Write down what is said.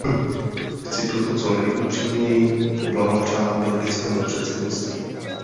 Chci proto co nejupřímněji poblahopřát belgickému předsednictví.